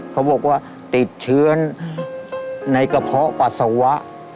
เขาบอกว่าติดเชื้อในกระเพาะปัสสาวะ